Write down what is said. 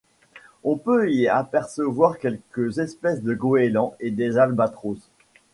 On peut y apercevoir quelques espèces de goélands et des albatros.